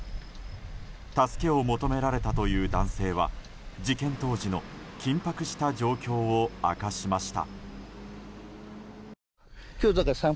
助けを求められたという男性は事件当時の緊迫した状況を明かしました。